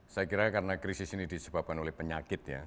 saya kira karena krisis ini disebabkan oleh penyakit ya